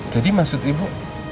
jadi maksud ibu